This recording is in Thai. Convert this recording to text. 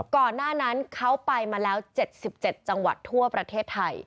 ก่อนหน้านั้นเขาไปมาแล้ว๗๗จังหวัดทั่วประเทศไทย